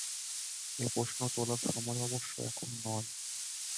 এ প্রশ্ন তোলার সময় অবশ্য এখন নয়।